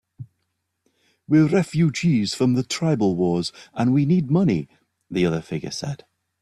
"We're refugees from the tribal wars, and we need money," the other figure said.